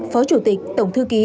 phó chủ tịch tổng thư ký